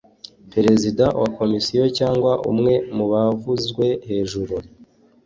perezida wa komisiyo cyangwa umwe mu bavuzwe hejuru